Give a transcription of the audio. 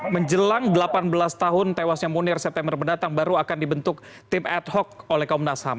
menjelang delapan belas tahun tewasnya munir september mendatang baru akan dibentuk tim ad hoc oleh komnas ham